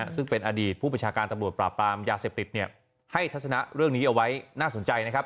ซึ่งเป็นอดีตผู้ประชาการตำรวจปราบปรามยาเสพติดให้ทัศนะเรื่องนี้เอาไว้น่าสนใจนะครับ